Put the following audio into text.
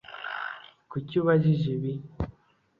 Kuki ubajije ibi